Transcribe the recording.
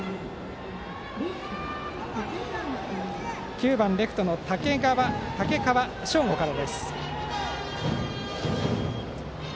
９番レフトの竹川菖悟から。